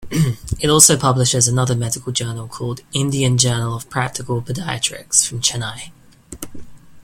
It also publishes another medical journal called Indian Journal of Practical Pediatrics from Chennai.